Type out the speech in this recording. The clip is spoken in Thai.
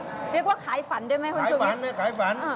เรียกว่าขายฝันด้วยไหมคนช่วงนี้อเจมส์ขายฝัน